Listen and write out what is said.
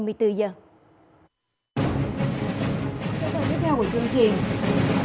chương trình tiếp theo của chương trình